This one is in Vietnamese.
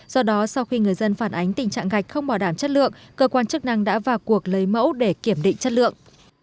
do đó sau khi người dân phản ánh tình trạng gạch không bảo đảm chất lượng cơ quan chức năng đã vào cuộc lấy mẫu để kiểm định chất lượng